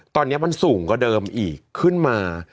ตอนนี้มันสูงกว่าเดิมอีกขึ้นมา